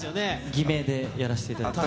偽名でやらせていただいています。